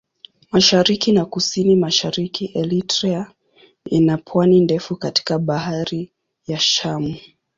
Mashariki na Kusini-Mashariki Eritrea ina pwani ndefu katika Bahari ya Shamu.